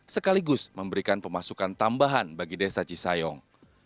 sekaligus memberikan pemasukan tambahan bagi desa cisayong